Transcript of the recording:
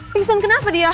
pingsan kenapa dia